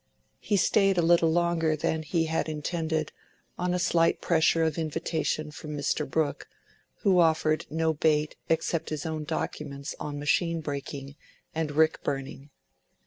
He stayed a little longer than he had intended, on a slight pressure of invitation from Mr. Brooke, who offered no bait except his own documents on machine breaking and rick burning.